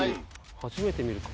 初めて見るかも。